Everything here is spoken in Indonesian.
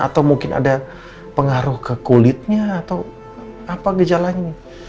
atau mungkin ada pengaruh ke kulitnya atau apa gejalanya